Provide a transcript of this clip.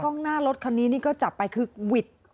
ต้องหน้ารถคันนี้ก็จับไปคือวิด